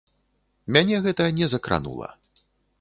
Мяне гэта не закранула.